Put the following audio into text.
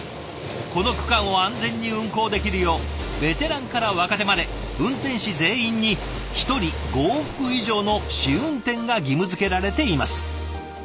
この区間を安全に運行できるようベテランから若手まで運転士全員に１人５往復以上の試運転が義務づけられています。